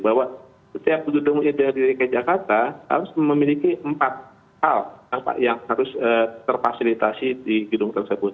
bahwa setiap gedung dprd dki jakarta harus memiliki empat hal yang harus terfasilitasi di gedung tersebut